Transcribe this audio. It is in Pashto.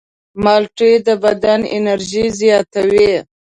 مالټې د بدن انرژي زیاتوي.